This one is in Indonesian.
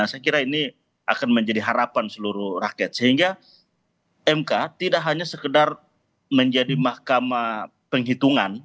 saya kira ini akan menjadi harapan seluruh rakyat sehingga mk tidak hanya sekedar menjadi mahkamah penghitungan